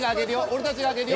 俺たちが上げる。